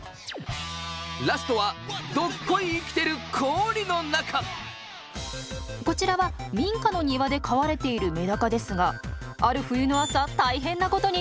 ラストはこちらは民家の庭で飼われているメダカですがある冬の朝大変なことに。